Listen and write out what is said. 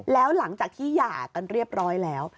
แล้วหลังจากที่หย่ากันเรียบร้อยแล้ว